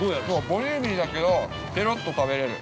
◆ボリューミーだけど、ぺろっと食べれる。